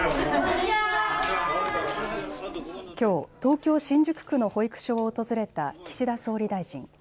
きょう東京新宿区の保育所を訪れた岸田総理大臣。